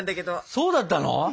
そうだったの？